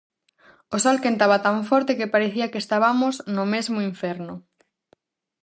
O sol quentaba tan forte que parecía que estabamos no mesmo inferno.